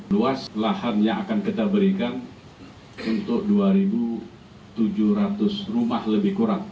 luas lahannya akan kita berikan untuk dua tujuh ratus rumah lebih kurang